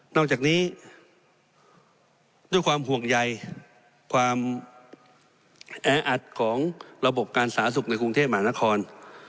อกจากนี้ด้วยความห่วงใยความแออัดของระบบการสาธารณสุขในกรุงเทพมหานคร